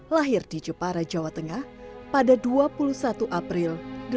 lahir di jepara jawa tengah pada dua puluh satu april seribu delapan ratus delapan puluh